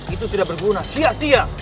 itu tidak berguna sia sia